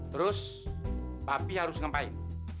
terus papi harus ngapain